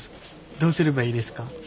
どうすればいいですか？